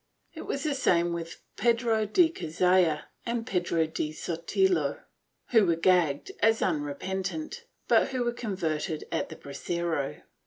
It was the same with Pedro de Cazalla and Pedro de Sotelo, who were gagged as unrepentant, but were converted at the brasero.